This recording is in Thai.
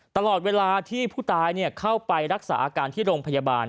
ตลอดเวลาที่ผู้ตายเข้าไปรักษาอาการที่โรงพยาบาล